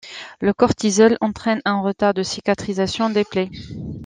Le cortisol entraîne un retard de cicatrisation des plaies.